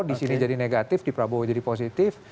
di sini jadi negatif di prabowo jadi positif